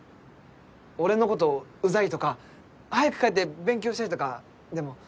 「俺のことウザい」とか「早く帰って勉強したい」とかでも。